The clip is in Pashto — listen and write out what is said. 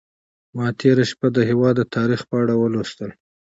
ما تېره شپه د هېواد د تاریخ په اړه ولوستل.